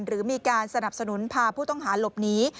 หรือมีการสนับสนุนพาผู้ต้องหาหลบหนี